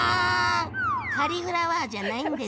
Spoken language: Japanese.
カリフラワーじゃないんですね。